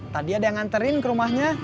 tadi ada yang nganterin ke rumahnya